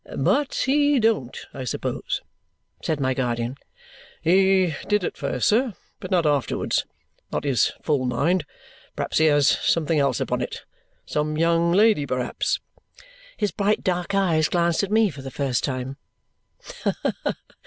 "But he don't, I suppose?" said my guardian. "He did at first, sir, but not afterwards. Not his full mind. Perhaps he has something else upon it some young lady, perhaps." His bright dark eyes glanced at me for the first time.